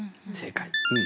正解。